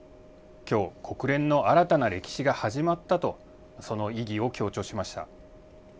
きょう、国連の新たな歴史が始まったと、その意義を強調しました。